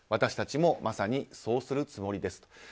私たちもまさにそうするつもりです。